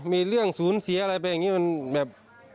มีเรื่องศูนย์เสียอะไรไปอย่างนี้มันแบบ